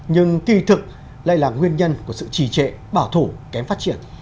nhưng tuy thực lại là nguyên nhân của sự chi trệ bảo thủ kém phát triển